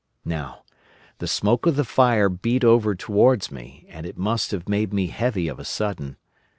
"Now, the smoke of the fire beat over towards me, and it must have made me heavy of a sudden.